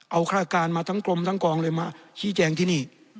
เอาฆาตการมาทั้งกรมทั้งกองเลยมาชี้แจงที่นี่